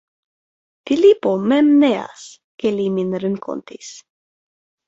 Filipo mem neas, ke li min renkontis.